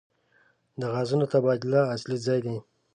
د غازونو تبادله اصلي ځای دی.